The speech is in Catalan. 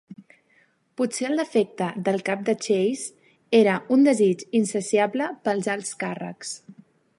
Potser el defecte del cap de Chase era un desig insaciable pels alts càrrecs.